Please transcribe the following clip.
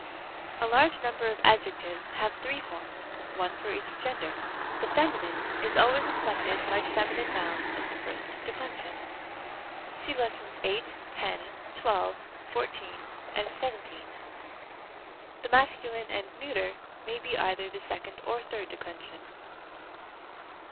a. A large number of adjectives have three forms, one for each gender. The feminine is always inflected like feminine nouns of the first declension (δὲ 8, 10, 12, 14, 17): the masculine and neuter may be either of the second or third declension.